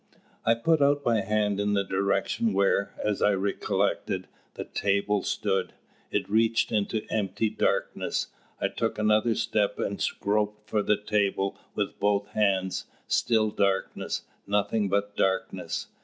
I put out my hand in the direction where, as I recollected, the table stood. It reached into empty darkness. I took another step and groped for the table with both hands. Still darkness, nothing but darkness!